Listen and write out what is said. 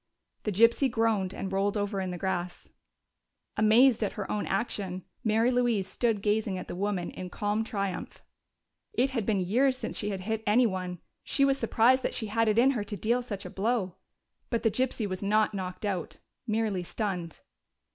The gypsy groaned and rolled over in the grass. Amazed at her own action, Mary Louise stood gazing at the woman in calm triumph. It had been years since she had hit anyone; she was surprised that she had it in her to deal such a blow. But the gypsy was not knocked out merely stunned.